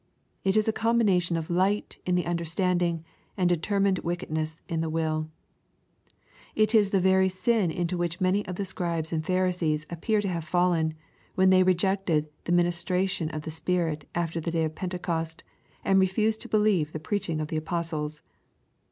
It is a combination of light in the understanding and determined wickedness in the will. It is the very sin into which many of the Scribes and Pharisees appear to have fallen, when they rejected the ministration of the Spirit after the day of Pentecost, and refused to believe the preaching of the apostles.